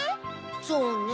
そうね